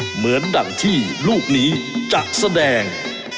เหมือนดั่งที่ลูกนี้จะแสดง